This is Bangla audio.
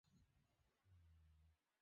আর আল্লাহর কসম করে বলছি, তা অবশ্যই হবে।